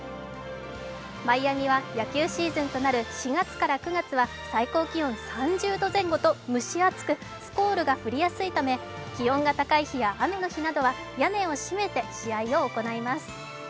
マイアミは野球シーズンとなる４月から９月は最高気温３０度前後と蒸し暑く、スコールが降りやすいため、気温が高い日や雨の日などは屋根を閉めて試合を行います。